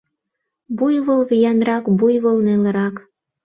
Буйвол виянрак, буйвол нелырак.